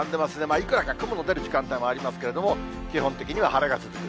いくらか雲の出る時間帯もありますけれども、基本的には晴れが続く。